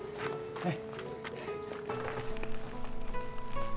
はい。